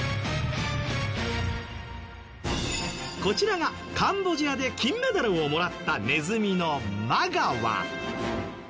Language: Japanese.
こちらがカンボジアで金メダルをもらったネズミのマガワ。